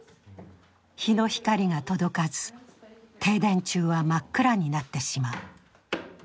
日の光が届かず停電中は真っ暗になってしまう。